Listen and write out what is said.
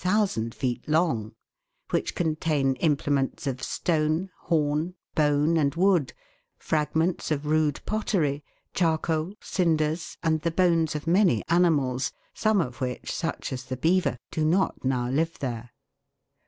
ooo feet long, which contain implements of stone, horn, bone, and wood, frag ments of rude pottery, charcoal, cinders, and the bones of many animals, some of which, such as the beaver, do not now live there.